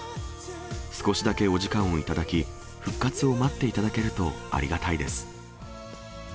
少しだけお時間を頂き、復活を待っていただけるとありがたいです。